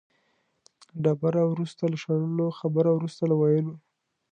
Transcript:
ډبره وروسته له شړلو، خبره وروسته له ویلو.